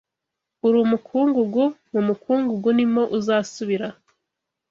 uri umukungugu mu mukungugu, ni mo uzasubira